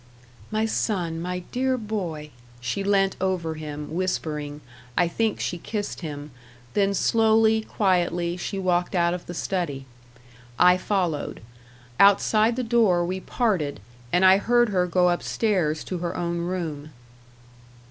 "My son, my dear boy!" She leant over him, whispering I think she kissed him then slowly, quietly, she walked out of the study. I followed. Outside the door we parted, and I heard her go up stairs to her own room.